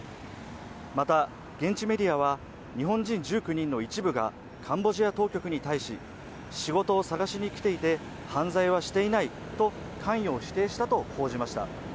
また、現地メディアは、日本人１９人の一部がカンボジア当局に対し仕事を探しに来ていて、犯罪はしていないと関与を否定したと報じました。